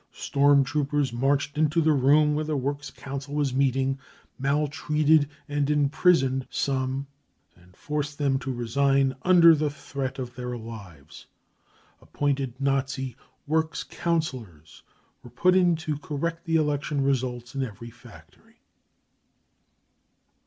Storm troopers marched into the room where the works council was meeting, maltreated and imprisoned some and forced them to resign under threat of their lives. Appointed Nazi se works councillors 35 were put in to correct the election results in every factory.